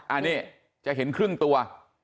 อ่าเนี่ยจะเห็นครึ่งตัว